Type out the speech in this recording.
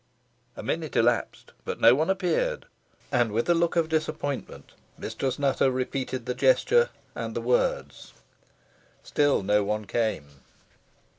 A minute elapsed, but no one appeared, and, with a look of disappointment, Mistress Nutter repeated the gesture and the words. Still no one came.